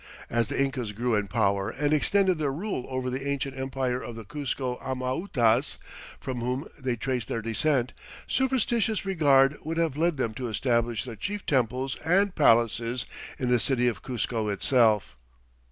As the Incas grew in power and extended their rule over the ancient empire of the Cuzco Amautas from whom they traced their descent, superstitious regard would have led them to establish their chief temples and palaces in the city of Cuzco itself.